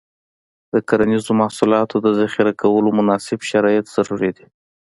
د کرنیزو محصولاتو د ذخیره کولو مناسب شرایط ضروري دي.